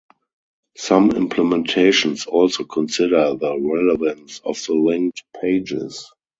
Some implementations also consider the relevance of the linked pages.